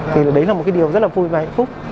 thì đấy là một cái điều rất là vui và hạnh phúc